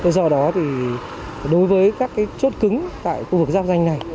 do đó thì đối với các chốt cứng tại khu vực giáp danh này